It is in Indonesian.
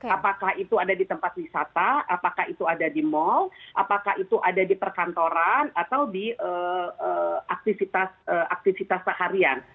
apakah itu ada di tempat wisata apakah itu ada di mal apakah itu ada di perkantoran atau di aktivitas seharian